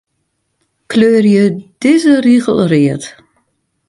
Kleurje dizze rigel read.